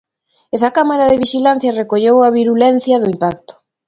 Esa cámara de vixilancia recolleu a virulencia do impacto.